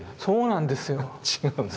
そうなんですよ。